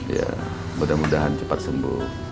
ya mudah mudahan cepat sembuh